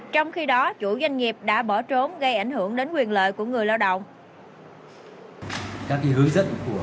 trong khi đó chủ doanh nghiệp đã bỏ trốn gây ảnh hưởng đến quyền lợi của người lao động